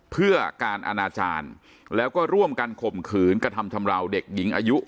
เพื่อการอนาจารย์แล้วก็ร่วมกันข่มขืนกระทำชำราวเด็กหญิงอายุ